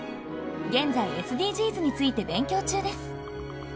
現在ＳＤＧｓについて勉強中です。